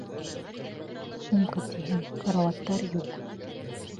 Сумка, тиһең, карауаттар юҡ!